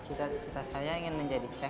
cita cita saya ingin menjadi cek